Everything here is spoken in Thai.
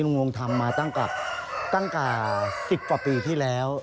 งงทำมาตั้งแต่๑๐กว่าปีที่แล้ว